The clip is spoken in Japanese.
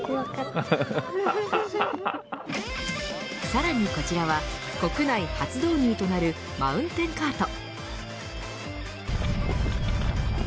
さらに、こちらは国内初導入となるマウンテンカート。